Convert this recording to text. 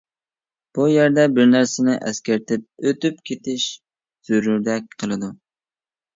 بۇ يەردە بىر نەرسىنى ئەسكەرتىپ ئۆتۈپ كېتىش زۆرۈردەك قىلىدۇ.